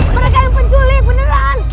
mereka yang penculik beneran